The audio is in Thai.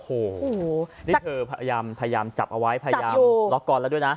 โอ้โหนี่เธอพยายามจับเอาไว้พยายามล็อกกอนแล้วด้วยนะ